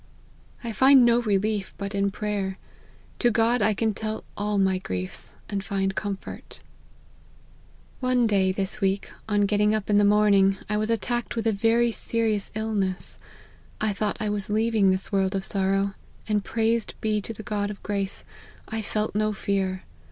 I find no relief but in prayer : to God I can tell all my griefs, ami find comfort." " One day this week, on getting up in the morn LIFE OF HENRY MARTYN. 115 ing, I was attacked with a very serious illness. I thought I was leaving this world of sorrow ; and, praised be the God of grace, I felt no fear.